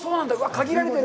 限られてる。